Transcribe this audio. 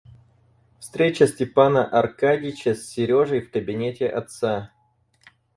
Встреча Степана Аркадьича с Сережей в кабинете отца.